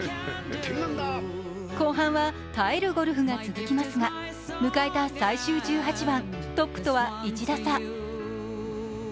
後半は耐えるゴルフが続きますが迎えた最終１８番、トップとは１打差。